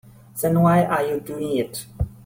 Then why are you doing it?